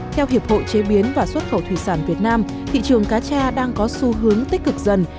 theo hiệp hội chế biến và xuất khẩu thủy sản việt nam thị trường cá cha đang có xu hướng tích cực dần